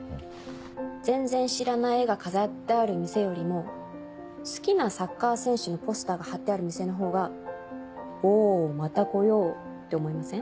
全然知らない絵が飾ってある店よりも好きなサッカー選手のポスターが張ってある店のほうが「おぉまた来よう」って思いません？